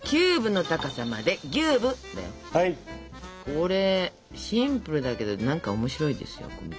これシンプルだけど何か面白いですよ見てると。